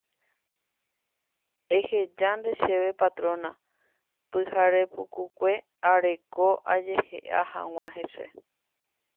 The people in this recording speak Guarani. ehejánte chéve Petrona pyharepukukue areko ajehe'a hag̃ua hese.